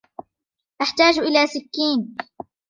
أحتاج الى سكين.